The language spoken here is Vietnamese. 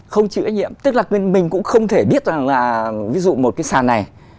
không chịu hơi nhiệm tức là mình cũng không thể biết là ví dụ một cái sàn này